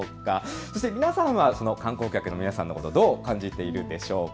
皆さんはその観光客の皆さんのことをどう感じているでしょうか。